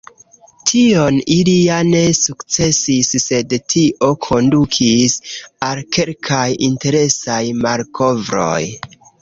Tion ili ja ne sukcesis, sed tio kondukis al kelkaj interesaj malkovroj.